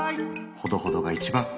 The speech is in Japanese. ほどほどが一番。